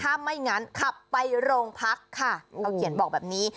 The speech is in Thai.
ถ้าไม่งั้นขับไปโรงพักค่ะเขาเขียนบอกแบบนี้